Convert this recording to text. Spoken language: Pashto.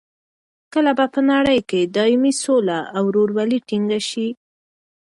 کله به په نړۍ کې دایمي سوله او رورولي ټینګه شي؟